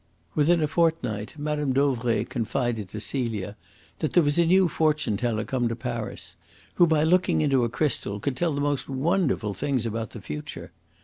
Within a fortnight Mme. Dauvray confided to Celia that there was a new fortune teller come to Paris, who, by looking into a crystal, could tell the most wonderful things about the future.